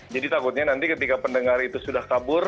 jadi takutnya nanti ketika pendengar itu sudah kabur